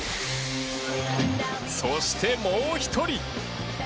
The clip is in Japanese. そして、もう１人。